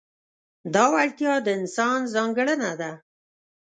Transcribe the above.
دا وړتیا د انسان ځانګړنه ده.